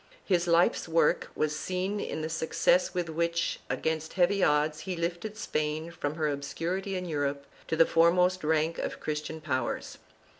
His life's work was seen in the success with which, against heavy odds, he lifted Spain from her obscurity in Europe to the foremost rank of Christian powers.